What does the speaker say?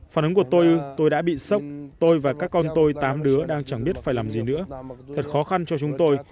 phản ứng của tôi tôi đã bị sốc tôi và các con tôi tám đứa đang chẳng biết phải làm gì nữa thật khó khăn cho chúng tôi